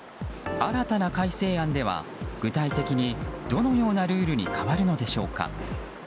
新たな改正案では具体的にどのようなルールに変わるのでしょうか。